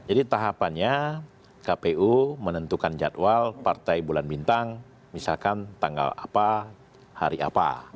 jadi tahapannya kpu menentukan jadwal partai bulan bintang misalkan tanggal apa hari apa